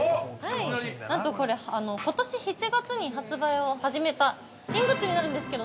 なんとこれ、ことし７月に発売を始めた新グッズになるんですけど。